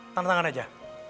tanda tangan aja